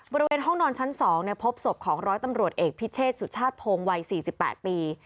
บริเวณห้องนอนชั้น๒พบศพของร้อยตำรวจเอกพิเชษสุชาติพงศ์วัย๔๘ปี